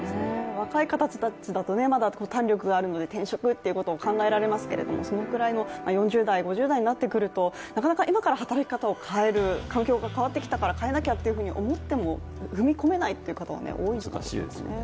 若い方たちだと、まだ胆力があるので転職ということも考えられますけどそのくらいの４０代、５０代になってくるとなかなか、今から働き方を変える、環境が変わってきたから変えなきゃと思っても、踏み込めないという方は多いかもしれないですね。